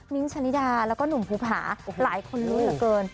ชะนิดาแล้วก็หนุ่มภูผาหลายคนลุ้นเหลือเกิน